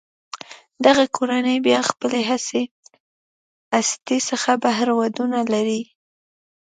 دغه کورنۍ بیا له خپلې هستې څخه بهر ودونه لري.